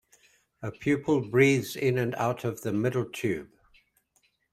A pupil breathes in and out of the middle tube.